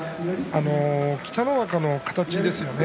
北の若の形ですよね。